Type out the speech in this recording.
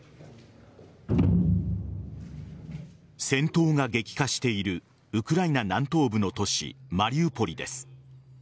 戦闘が激化しているウクライナ南東部の都市マリウポリです。